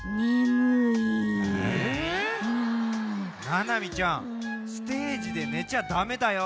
ななみちゃんステージでねちゃダメだよ。